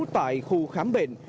tại khu khám bệnh